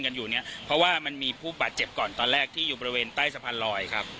เจ็บเจ็บก่อนตอนแรกที่อยู่บริเวณใต้สะพานลอย